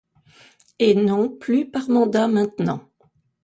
Et, non plus par mandat maintenant.